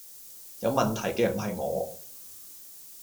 有問題既唔係我